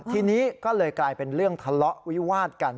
ทีนี้ก็เลยกลายเป็นเรื่องทะเลาะวิวาดกัน